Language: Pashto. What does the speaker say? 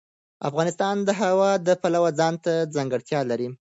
افغانستان د هوا د پلوه ځانته ځانګړتیا لري.